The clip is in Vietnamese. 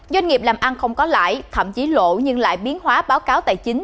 doanh nghiệp làm ăn không có lãi thậm chí lộ nhưng lại biến hóa báo cáo tài chính